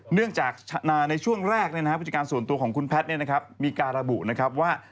เนื่องจากในช่วงแรกผู้จัดการส่วนตัวของคุณแพทย์มีการระบุนะครับว่า